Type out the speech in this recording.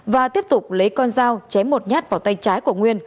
và tiếp tục lấy con dao chém một nhát vào tay trái của nguyên